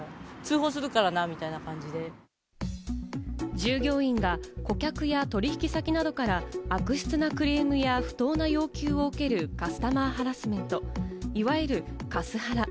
従業員が顧客や取引先などから悪質なクレームや不当な要求を受けるカスタマーハラスメント、いわゆるカスハラ。